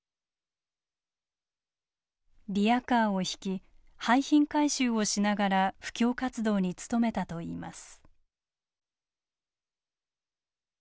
リヤカーを引き廃品回収をしながら布教活動に努めたといいます。